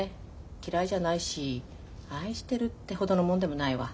嫌いじゃないし愛してるってほどのもんでもないわ。